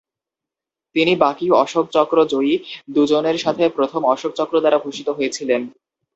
তিনি বাকি অশোক চক্র জয়ী দুজনের সাথে প্রথম অশোক চক্র দ্বারা ভূষিত হয়েছিলেন।